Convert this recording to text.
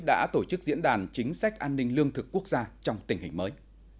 đã tổ chức diễn đàn chính sách an ninh lương thực quốc gia trong tình hình mới